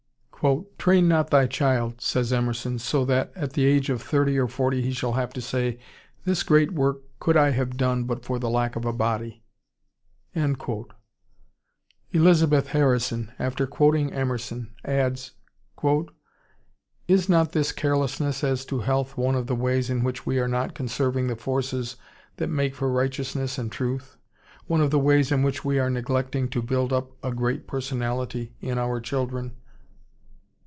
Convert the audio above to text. ] "Train not thy child," says Emerson, "so that at the age of thirty or forty he shall have to say, 'This great work could I have done but for the lack of a body.'" Elizabeth Harrison, after quoting Emerson, adds, "Is not this carelessness as to health one of the ways in which we are not conserving the forces that make for righteousness and truth, one of the ways in which we are neglecting to build up 'a great personality' in our children?"